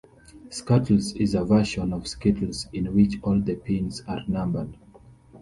Scattles is a version of skittles in which all the pins are numbered.